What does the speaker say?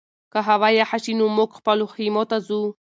که هوا یخه شي نو موږ خپلو خیمو ته ځو.